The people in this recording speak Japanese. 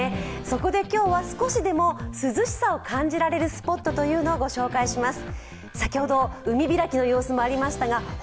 そこで今日は少しでも涼しさを感じられるスポットを御紹介します。